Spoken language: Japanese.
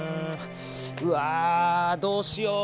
うわどうしよう？